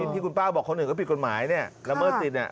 ที่คุณป้าบอกคนอื่นก็ผิดกฎหมายเนี่ยละเมิดสิทธิเนี่ย